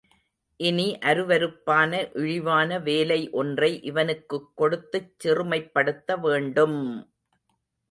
இனி அருவருப்பான இழிவான வேலை ஒன்றை இவனுக்குக் கொடுத்துச் சிறுமைப்படுத்த வேண்டும்!